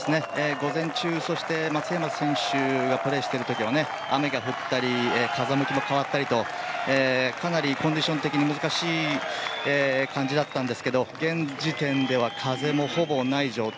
午前中、そして松山選手がプレーしている時は雨が降ったり風向きも変わったりとかなりコンディション的に難しい感じだったんですが現時点では風もほぼない状態。